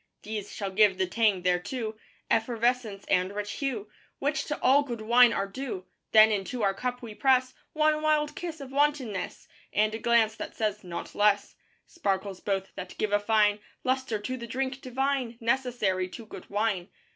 These shall give the tang thereto, Effervescence and rich hue Which to all good wine are due. Then into our cup we press One wild kiss of wantonness, And a glance that says not less. Sparkles both that give a fine Lustre to the drink divine, Necessary to good wine.